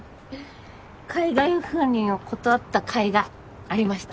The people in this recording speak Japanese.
海外赴任を断った甲斐がありました。